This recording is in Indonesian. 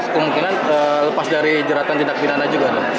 kemungkinan lepas dari jeratan tindak pidana juga